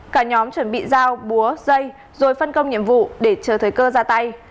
cả nhóm chuẩn bị dao búa dây rồi phân công nhiệm vụ để chờ thời cơ ra tay